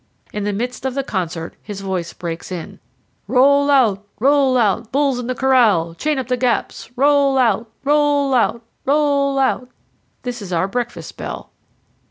In the midst of the concert, his voice breaks in: "Roll out! roll out! bulls in the corral! chain up the gaps! Roll out! roll out! roll out!" And this is our breakfast bell.